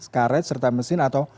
karet serta mesin atau